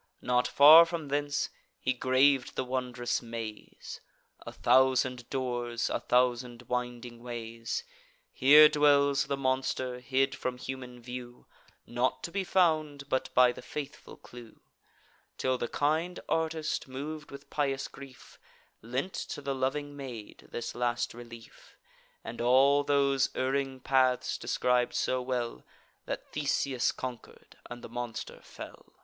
Not far from thence he grav'd the wondrous maze, A thousand doors, a thousand winding ways: Here dwells the monster, hid from human view, Not to be found, but by the faithful clue; Till the kind artist, mov'd with pious grief, Lent to the loving maid this last relief, And all those erring paths describ'd so well That Theseus conquer'd and the monster fell.